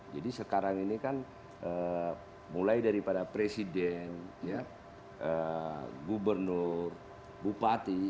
jadi sekarang ini kan mulai daripada presiden gubernur bupati